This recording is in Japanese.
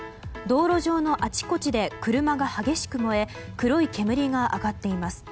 道路上のあちこちで車が激しく燃え黒い煙が上がっています。